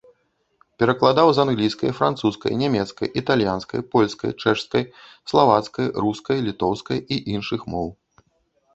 Перакладаў з англійскай, французскай, нямецкай, італьянскай, польскай, чэшскай, славацкай, рускай, літоўскай і іншых моў.